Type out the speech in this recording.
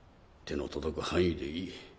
手の届く範囲でいい。